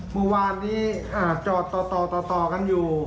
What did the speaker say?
เมื่อวานนี้จอดต่อกันอยู่